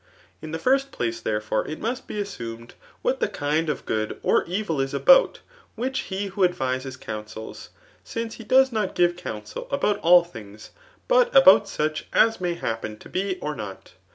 la the first place» therefore, it must be assumed wbat the 4mid of good or evil is about which he who advises OMUisels; since be does not give counsel about all things, but about such as may happen to be or not.